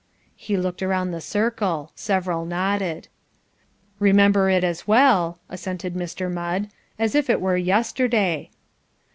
He looked around at the circle. Several nodded. "Remember it as well," assented Mr. Mudd, "as if it were yesterday."